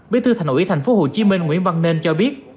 bí thư thành ủy tp hcm nguyễn văn nên cho biết